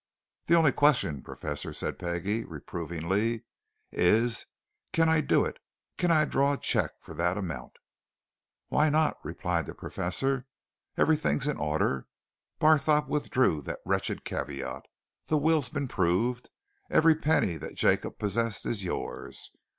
"The only question, Professor," said Peggie, reprovingly, "is can I do it? Can I draw a cheque for that amount?" "Why not?" replied the Professor. "Everything's in order. Barthorpe withdrew that wretched caveat the will's been proved every penny that Jacob possessed is yours.